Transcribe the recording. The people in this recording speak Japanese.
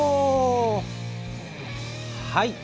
はい。